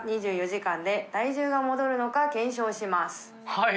はい。